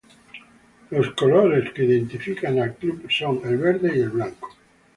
Los colores que identifican al club son el verde y el blanco.